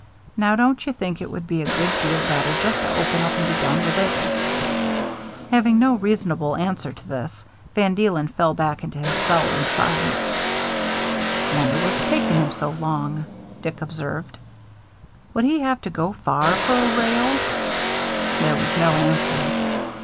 Now don't you think it would be a good deal better just to open up and be done with it ?" Having no reasonable answer to this. Van Deelen fell back into his sullen silence. " Wonder what's taking him so long," Dick observed. " Would he have to go far for a rail?" There was no answer.